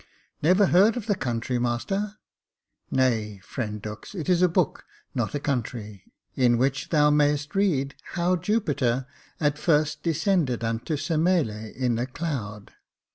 *' Never heard of the country, master." " Nay, friend Dux, it is a book, not a country, in which thou may'st read how Jupiter at first descended unto Semele in a cloud."